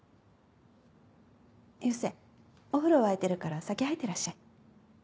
佑星お風呂沸いてるから先入ってらっしゃい。